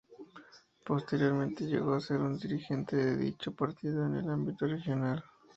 Posteriormente llegó a ser dirigente de dicho partido en el ámbito regional.